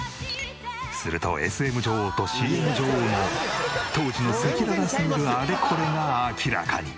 するとＳＭ女王とＣＭ女王の当時の赤裸々すぎるあれこれが明らかに！